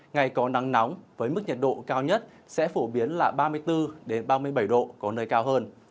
ngày có nắng nóng với mức nhiệt độ cao nhất sẽ phổ biến là ba mươi bốn ba mươi bảy độ có nơi cao hơn